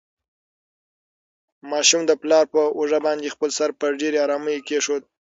ماشوم د پلار په اوږه باندې خپل سر په ډېرې ارامۍ کېښود.